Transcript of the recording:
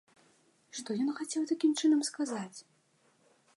Што ён хацеў такім чынам сказаць?